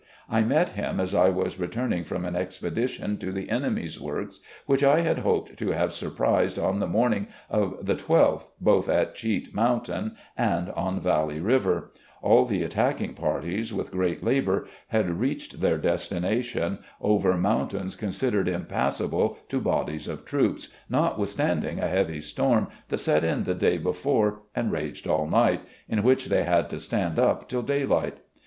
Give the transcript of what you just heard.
I met him as I was returning from an expedition to the enemy's works, which I had hoped to have surprised on the morning of the 12 th, both at Cheat Mountain and on Valley River. All the attacking ♦ A son of Mr. Edward Turner, of " Kinloch." THE CONFEDERATE GENERAL 45 parties with great labour had reached their destination, over mountains considered impassable to bodies of troops, notwithstanding a heavy storm that set in the day before and raged all night, in which they had to stand up till daylight.